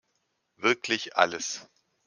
Wirklich alles!